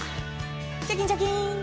チャキンチャキン。